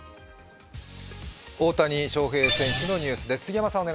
大谷翔平選手のニュースです。